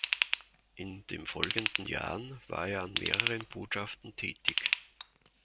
In den folgenden Jahren war er an mehreren Botschaften tätig.